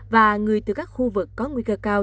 và người từ các khu vực có nguy cơ cao